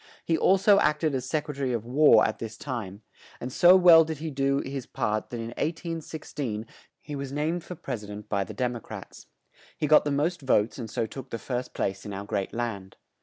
He al so act ed as Sec re ta ry of War at this time, and so well did he do his part that in 1816 he was named for Pres i dent by the Dem o crats. He got the most votes and so took the first place in our great land.